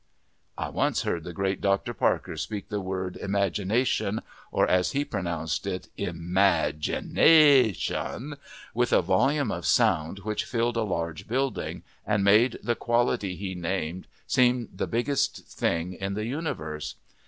I once heard the great Dr. Parker speak the word imagination, or, as he pronounced it, im madge i na shun, with a volume of sound which filled a large building and made the quality he named seem the biggest thing in the universe.